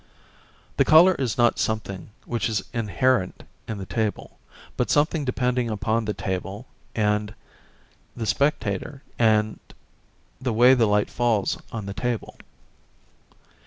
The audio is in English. This colour is not something which is inherent in the table, but something depending upon the table and the spectator and the way the light falls on the table.